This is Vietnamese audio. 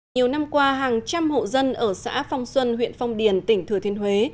nhiều năm qua hàng trăm hộ dân ở xã phong xuân huyện phong điền tỉnh thừa thiên huế